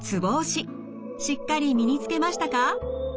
しっかり身につけましたか？